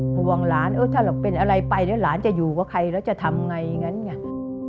ห่วงหลานเออถ้าเราเป็นอะไรไปแล้วหลานจะอยู่กับใครแล้วจะทำไงอย่างนั้นไง